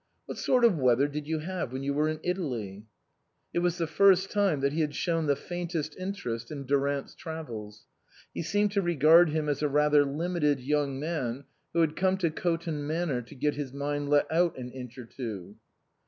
" What sort of weather did you have when you were in Italy ?" It was the first time that he had shown the faintest interest in Durant's travels. He seemed to regard him as a rather limited young man who had come to Coton Manor to get his mind let out an inch or two.